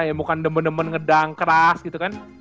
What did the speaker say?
ya bukan demen demen ngedang keras gitu kan